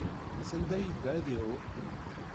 Sanda ay yedda ad iɛum?